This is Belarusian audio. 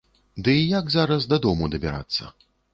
Ды і як зараз дадому дабірацца?